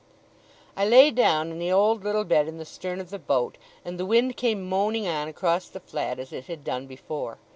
I lay down in the old little bed in the stern of the boat, and the wind came moaning on across the flat as it had done before.